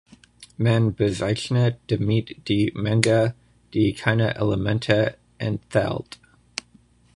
Man bezeichnet damit die Menge, die keine Elemente enthält.